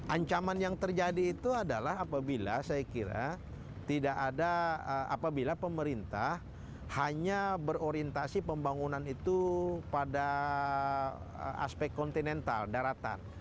ancaman yang terjadi itu adalah apabila saya kira tidak ada apabila pemerintah hanya berorientasi pembangunan itu pada aspek kontinental daratan